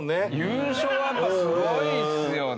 優勝はやっぱすごいっすよね。